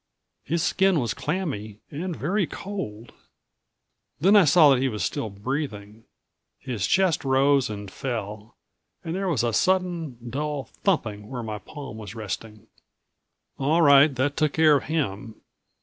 His skin was clammy and very cold. Then I saw that he was still breathing. His chest rose and fell and there was a sudden, dull thumping where my palm was resting. All right, that took care of him.